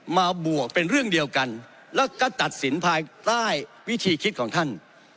บวกเป็นเรื่องเดียวกันแล้วก็ตัดสินภายใต้วิธีคิดของท่าน